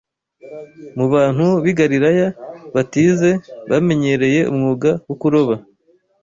mu bantu b’i Galilaya batize bamenyereye umwuga wo kuroba